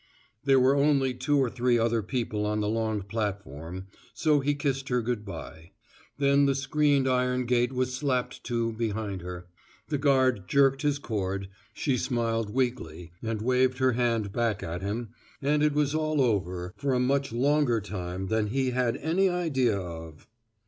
There were only two or three other people on the long platform, so he kissed her good bye. Then the screened iron gate was slapped to behind her, the guard jerked his cord, she smiled weakly and waved her hand back at him, and it was all over for a much longer time than he had any idea of.